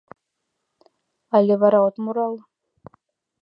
Але вара от мурал?